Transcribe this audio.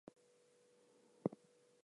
This is an absolutely fantastic project.